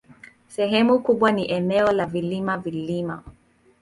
Sehemu kubwa ni eneo la vilima-vilima.